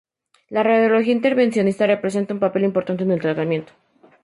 La radiología intervencionista representa un papel importante en el tratamiento.